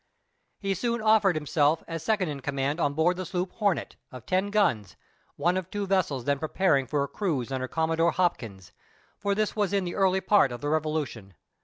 He soon offered himself as second in command on board the sloop Hornet, of ten guns, one of two vessels then preparing for a cruise under Commodore Hopkins, for this was in the early part of the revolution.